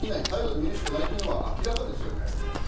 態度で見るしかないというのは明らかですよね。